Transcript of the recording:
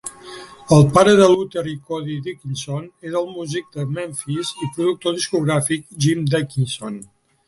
El pare de Luther i Cody Dickinson era el músic de Memphis i productor discogràfic Jim Dickinson.